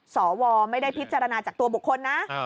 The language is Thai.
สวไม่ได้พิจารณาจากตัวบุคคลนะ